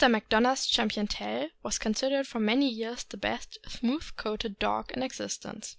Macdona' s Champion Tell was considered for many years the best smooth coated dog in existence.